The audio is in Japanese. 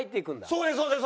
そうですそうです。